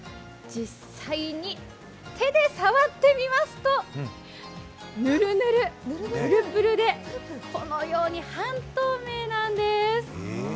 実際に手で触ってみますとぬるぬる、ぷるぷるでこのように半透明なんです。